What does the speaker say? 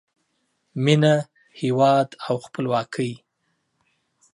مینه، هیواد او خپلواکۍ